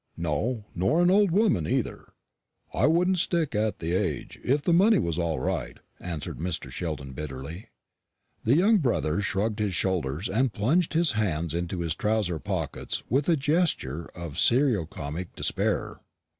"No, nor an old woman either. I wouldn't stick at the age, if the money was all right," answered Mr. Sheldon bitterly. The younger brother shrugged his shoulders and plunged his hands into his trousers pockets with a gesture of seriocomic despair.